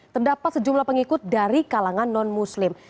terdapat sejumlah pengikut dari kalangan non muslim